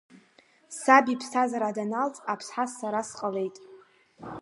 Саб иԥсҭазаара даналҵ Аԥсҳас сара сҟалеит.